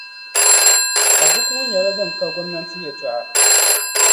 A buku ŋɔ nyɛla din ka gomnanti yɛltɔɣa.